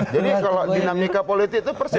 jadi kalau dinamika politik itu persis